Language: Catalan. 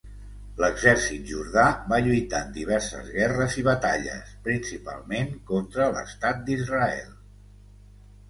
L'Exèrcit jordà va lluitar en diverses guerres i batalles, principalment contra l'estat d'Israel.